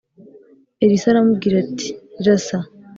Elisa aramubwira ati rasa